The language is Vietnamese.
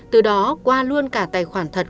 từ đó qua luôn cả tài khoản thật